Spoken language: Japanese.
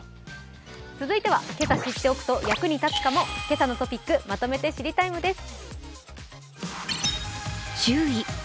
続いては、けさ知っておくと役に立つかも「けさのトピックまとめて知りＴＩＭＥ，」です。